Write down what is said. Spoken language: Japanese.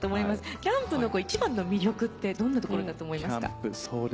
キャンプの一番の魅力ってどんなところだと思いますか？